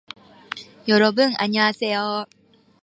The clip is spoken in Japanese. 여러분안녕하세요